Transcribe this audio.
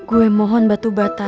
gue mohon batu bata